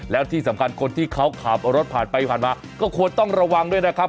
แล้วที่สำคัญคนที่เขาขับรถผ่านไปผ่านมาก็ควรต้องระวังด้วยนะครับ